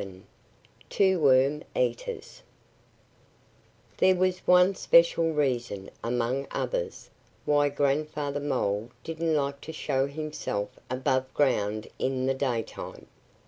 VII TWO WORM EATERS THERE was one special reason among others why Grandfather Mole didn't like to show himself above ground in the daytime.